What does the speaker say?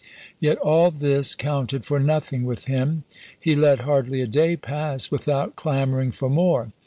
Yet all this counted for nothing p. 230. " with him ; he let hardly a day pass without clamor ing for more.